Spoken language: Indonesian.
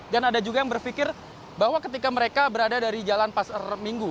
dan ada juga yang berpikir bahwa ketika mereka berada dari jalan pasar minggu